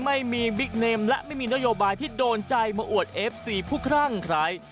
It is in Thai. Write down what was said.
ไม่มีบิ๊กเนมและไม่มีนโยบายที่โดนใจมาอวดเอฟซีผู้ครั่งใคร